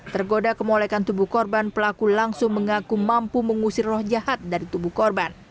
tergoda kemolekan tubuh korban pelaku langsung mengaku mampu mengusir roh jahat dari tubuh korban